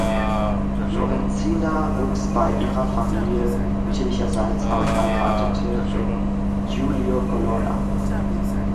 Lorenzina wuchs bei ihrer Familie mütterlicherseits auf heiratete Giulio Colonna.